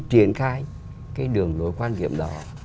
triển khai cái đường lưỡi quan điểm đó